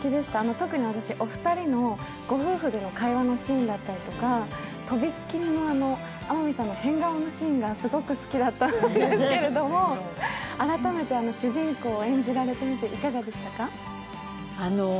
特に私、お二人のご夫婦での会話のシーンだったりとかとびっきりの天海さんの変顔のシーンがすごく好きだったんですけれども改めて主人公を演じられてみて、いかがでしたか？